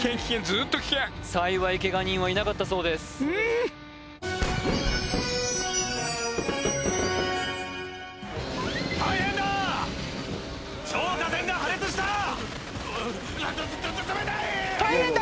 ずーっと危険幸いケガ人はいなかったそうです大変大変！